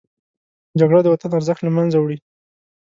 جګړه د وطن ارزښت له منځه وړي